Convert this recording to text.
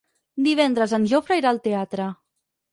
Divendres en Jofre irà al teatre.